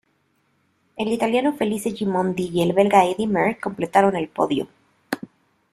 El italiano Felice Gimondi y el belga Eddy Merckx completaron el podio.